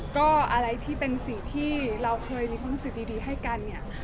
ก็อะไรที่เป็นสิ่งที่เราเคยมีความรู้สึกดีให้กันเนี่ย